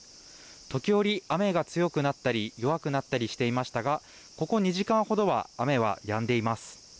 時折、雨が強くなったり弱くなったりしていましたがここ２時間ほどは雨はやんでいます。